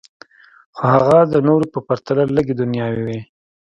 خو هغه د نورو په پرتله لږې دنیاوي وې